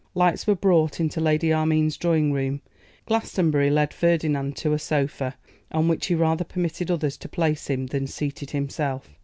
Lights were brought into Lady Armine's drawing room. Glastonbury led Ferdinand to a sofa, on which he rather permitted others to place him than seated himself.